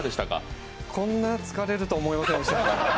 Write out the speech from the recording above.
いやこんな疲れると思いませんでした。